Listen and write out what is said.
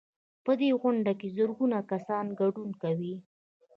په دې غونډه کې زرګونه کسان ګډون کوي.